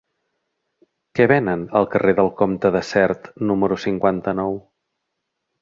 Què venen al carrer del Comte de Sert número cinquanta-nou?